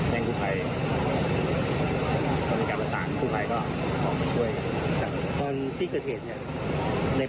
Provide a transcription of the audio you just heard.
ต้องการประสาทผู้ไฟก็ออกไปหมด